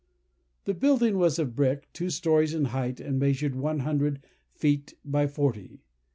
"The building was of brick, two stories in height, and measured one hundred feet by forty.